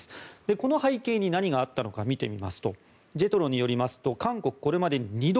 この背景に何があったのか見てみますとＪＥＴＲＯによりますと韓国はこれまでに２度